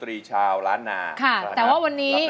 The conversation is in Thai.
อีกที